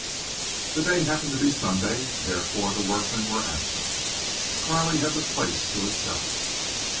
The day happened to be Sunday, and therefore the workmen were absent. Carley had the place to herself.